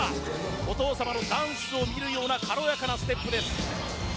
お父様のダンスを見るような軽やかなステップです。